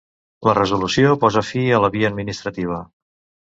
La resolució posa fi a la via administrativa.